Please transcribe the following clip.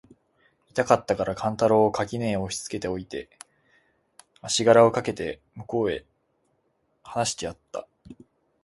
痛かつたから勘太郎を垣根へ押しつけて置いて、足搦あしがらをかけて向へ斃してやつた。